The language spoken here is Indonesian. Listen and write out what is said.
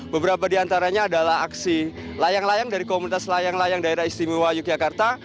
beberapa di antaranya adalah aksi layang layang dari komunitas layang layang daerah istimewa yogyakarta